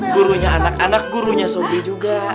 gurunya anak anak gurunya sofi juga